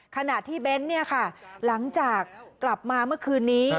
ขณะที่เบ้นเนี่ยค่ะหลังจากกลับมาเมื่อคืนนี้